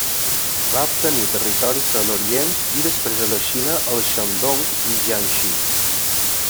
Va obtenir territoris a l'orient i després a la Xina al Shandong i Jiangxi.